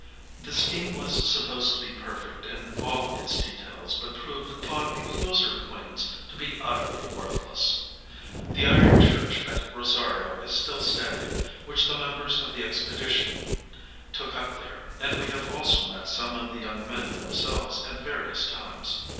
The scheme was supposed to be perfect in all its details, but proved upon a closer acquaintance to be utterly worthless. The iron church at Rosario is still standing, which the members of the expedition took up there, and we have also met some of the young men themselves at various times.